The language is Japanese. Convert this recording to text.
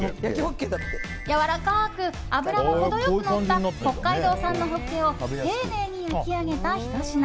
やわらかく脂も程良くのった北海道産のホッケを丁寧に焼き上げたひと品。